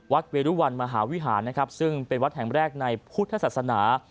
เวรุวันมหาวิหารนะครับซึ่งเป็นวัดแห่งแรกในพุทธศาสนา